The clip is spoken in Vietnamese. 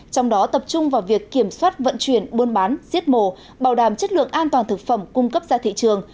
trong đó tập trung vào việc kiểm soát vận chuyển buôn bán giết mổ bảo đảm chất lượng an toàn thực phẩm cung cấp ra thị trường